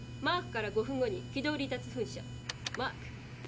マークから５分後に軌道離脱ふん射。